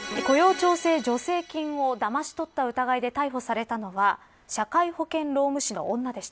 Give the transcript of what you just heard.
雇用調整助成金をだまし取った疑いで逮捕されたのは社会保険労務士の女でした。